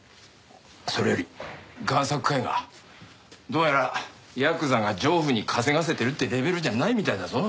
それより贋作絵画どうやらヤクザが情婦に稼がせてるってレベルじゃないみたいだぞ。